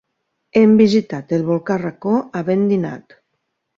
Hem visitat el volcà Racó havent dinat.